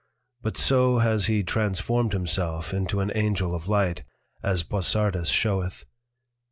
But so has he transformed himself into an Angel of Light, as Boissardus sheweth.